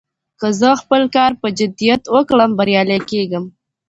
که زه خپل کار په جدیت وکړم، بريالی کېږم.